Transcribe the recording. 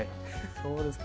そうですか。